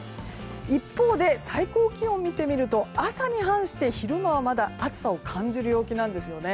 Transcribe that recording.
一方で、最高気温を見てみると朝に反して、昼間はまだ暑さを感じる陽気なんですね。